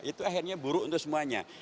itu akhirnya buruk untuk semuanya